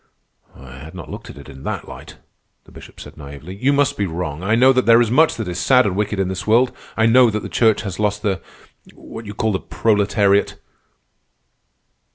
"I had not looked at it in that light," the Bishop said naively. "You must be wrong. I know that there is much that is sad and wicked in this world. I know that the Church has lost the—what you call the proletariat."